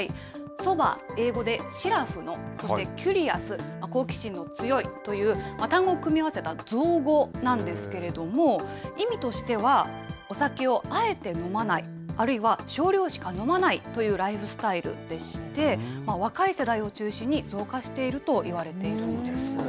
ソバー、英語でしらふの、そしてキュリアス、好奇心の強いという単語を組み合わせた造語なんですけれども、意味としては、お酒をあえて飲まない、あるいは少量しか飲まないというライフスタイルでして、若い世代を中心に増加しているといわれているんです。